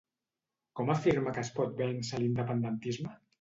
Com afirma que es pot vèncer l'independentisme?